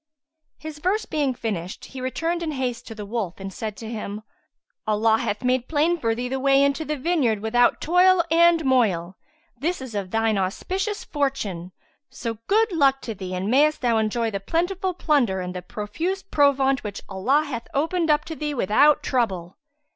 His verse being finished he returned in haste to the wolf and said to him, "Allah hath made plain for thee the way into the vineyard without toil and moil. This is of thine auspicious fortune; so good luck to thee and mayest thou enjoy the plentiful plunder and the profuse provaunt which Allah hath opened up to thee without trouble!"